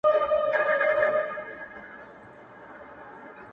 o و تاته چا زما غلط تعريف کړی و خدايه.